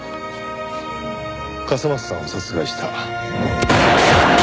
笠松さんを殺害した。